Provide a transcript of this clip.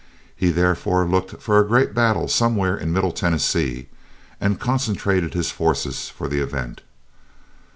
He therefore looked for a great battle somewhere in Middle Tennessee, and concentrated his forces for that event.